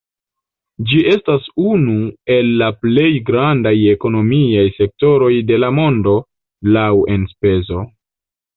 Ĝi estas unu el la plej grandaj ekonomiaj sektoroj de la mondo laŭ enspezo.